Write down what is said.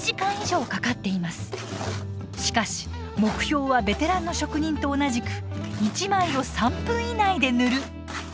しかし目標はベテランの職人と同じく「１枚を３分以内で塗る」。